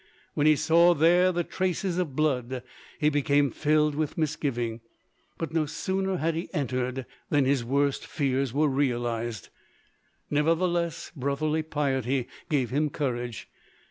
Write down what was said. When he saw there the traces of blood he became filled with misgiving, but no sooner had he entered than his worst fears were realized. Nevertheless brotherly piety gave him courage.